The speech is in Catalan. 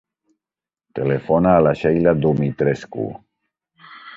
Telefona a la Sheila Dumitrescu.